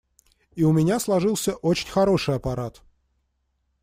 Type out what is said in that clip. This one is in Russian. И у меня сложился очень хороший аппарат.